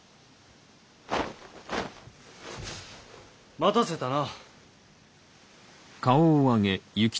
待たせたな。